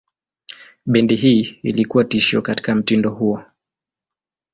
Bendi hii ilikuwa tishio katika mtindo huo.